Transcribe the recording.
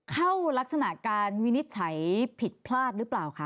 ลักษณะการวินิจฉัยผิดพลาดหรือเปล่าคะ